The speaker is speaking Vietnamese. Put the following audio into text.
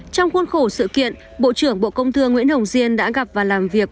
trong khuôn khổ sự kiện bộ trưởng bộ công thương nguyễn hồng diên đã gặp và làm việc